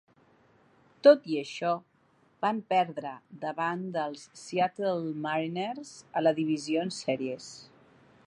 Tot i això, van perdre davant dels Seattle Mariners a la Division Series.